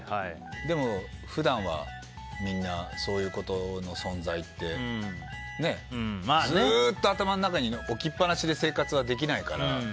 でも、普段はみんなそういうことの存在ってずっと頭の中に置きっぱなしで生活はできないから。